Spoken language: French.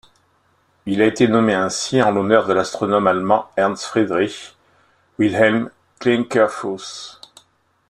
Il a été nommé ainsi en l'honneur de l'astronome allemand Ernst Friedrich Wilhelm Klinkerfues.